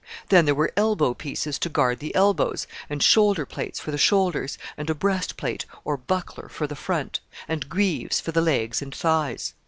Then there were elbow pieces to guard the elbows, and shoulder plates for the shoulders, and a breast plate or buckler for the front, and greaves for the legs and thighs.